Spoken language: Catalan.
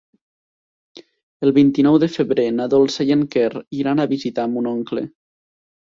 El vint-i-nou de febrer na Dolça i en Quer iran a visitar mon oncle.